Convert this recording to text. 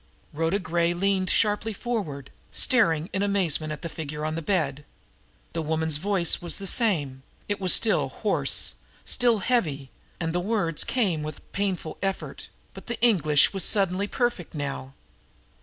Rhoda Gray leaned sharply forward, staring in amazement at the figure on the bed. The woman's voice was the same, it was still hoarse, still heavy, and the words came with painful effort; but the English was suddenly perfect now.